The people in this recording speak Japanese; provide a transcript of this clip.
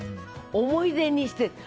思い出にしてって。